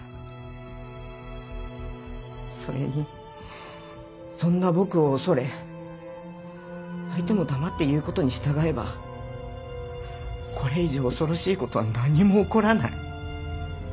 それにそんな僕を恐れ相手も黙って言うことに従えばこれ以上恐ろしいことは何も起こらない。